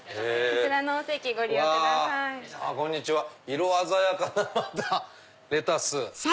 色鮮やかなまたレタス。